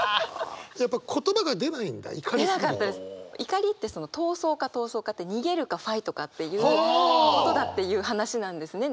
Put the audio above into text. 怒りって「逃走」か「闘争」かって「逃げる」か「ファイト」かっていうことだっていう話なんですね。